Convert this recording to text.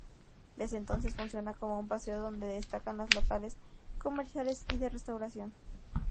Desde entonces funciona como un paseo donde destacan los locales comerciales y de restauración.